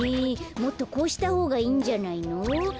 もっとこうしたほうがいいんじゃないの？かして。